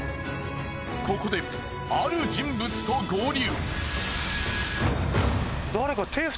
ここである人物と合流。